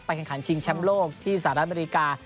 แข่งขันชิงแชมป์โลกที่สหรัฐอเมริกา